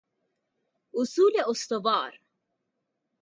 اصول استوار